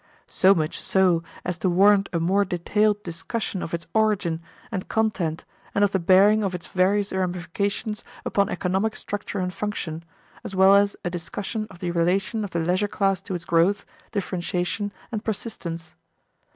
So much so as to warrant a more detailed discussion of its origin and content and of the bearing of its various ramifications upon economic structure and function, as well as a discussion of the relation of the leisure class to its growth, differentiation, and persistence.